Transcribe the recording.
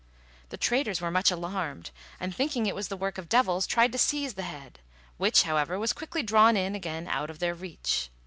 The traders were much alarmed, and, thinking it was the work of devils, tried to seize the head, which, however, was quickly drawn in again out of their reach.